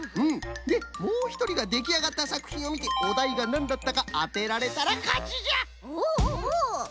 でもうひとりができあがったさくひんをみておだいがなんだったかあてられたらかちじゃ。